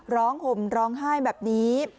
ห่มร้องไห้แบบนี้